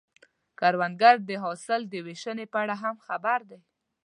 کروندګر د حاصل د ویشنې په اړه هم خبر دی